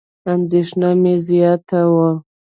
اندېښنه مې زیاته وه.